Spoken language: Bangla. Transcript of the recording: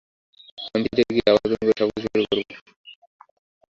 আমি ফিরে গিয়ে আবার নতুন করে সবকিছু শুরু করবো।